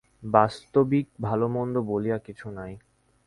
বাস্তবিক ভাল-মন্দ বলিয়া কিছু নাই।